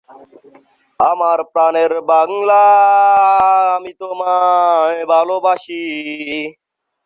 এটি all India দাবা ফেডারেশনের সাথে সম্পর্কিত।